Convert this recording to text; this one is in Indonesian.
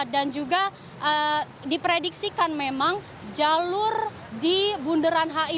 dan juga diprediksikan memang jalur di bunderan hi